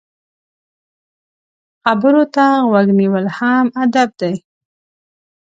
خبرو ته غوږ نیول هم ادب دی.